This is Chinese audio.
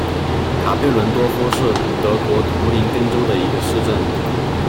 卡佩伦多夫是德国图林根州的一个市镇。